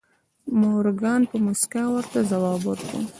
مورګان په موسکا ورته ځواب ورکړ